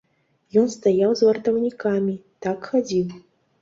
Ён стаяў з вартаўнікамі, так хадзіў.